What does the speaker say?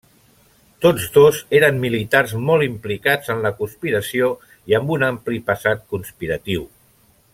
Tots dos eren militars molt implicats en la conspiració i amb un ampli passat conspiratiu.